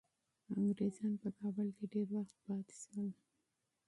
انګریزان په کابل کي ډیر وخت پاتې شول.